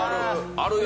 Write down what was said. あるよ！